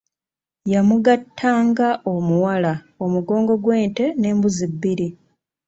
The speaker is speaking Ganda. "Yamugattanga omuwala, omugongo gw’ente n’embuzi bbiri."